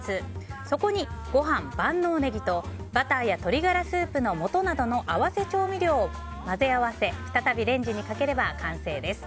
そこに、ご飯万能ネギとバターや鶏ガラスープのもとなどの合わせ調味料を混ぜ合わせ再びレンジにかければ完成です。